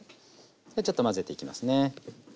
ちょっと混ぜていきますね。